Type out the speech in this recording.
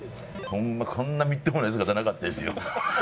ホンマこんなみっともない姿なかったですよ。